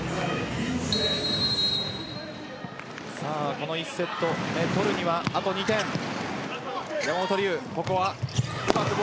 この１セット目を取るにはあと２点です。